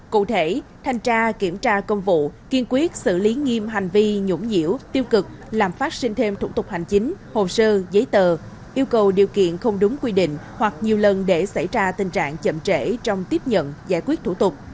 cụ thể thanh tra kiểm tra công vụ kiên quyết xử lý nghiêm hành vi nhũng nhiễu tiêu cực làm phát sinh thêm thủ tục hành chính hồ sơ giấy tờ yêu cầu điều kiện không đúng quy định hoặc nhiều lần để xảy ra tình trạng chậm trễ trong tiếp nhận giải quyết thủ tục